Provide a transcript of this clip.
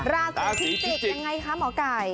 ราศีพิจิกยังไงคะหมอไก่